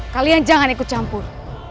kalian jangan ikut campur